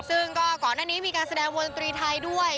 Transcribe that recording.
ซึ่งก็ก่อนหน้านี้มีการแสดงวงดนตรีไทยด้วย